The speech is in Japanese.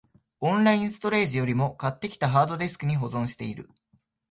オンラインストレージよりも、買ってきたハードディスクに保存してる